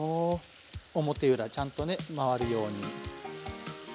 表裏ちゃんとね回るように。